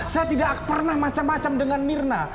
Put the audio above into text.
saya tidak pernah macam macam dengan mirna